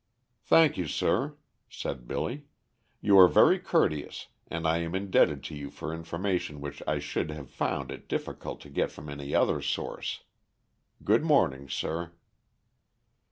"Thank you, sir," said Billy. "You are very courteous, and I am indebted to you for information which I should have found it difficult to get from any other source. Good morning, sir."